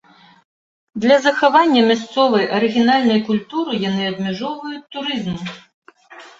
Для захавання мясцовай арыгінальнай культуры яны абмяжоўваюць турызм.